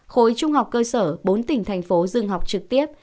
khối trung học cơ sở bốn tỉnh thành phố dừng học trực tiếp